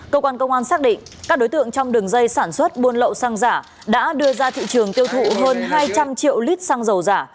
cơ quan công an xác định các đối tượng trong đường dây sản xuất buôn lậu xăng giả đã đưa ra thị trường tiêu thụ hơn hai trăm linh triệu lít xăng dầu giả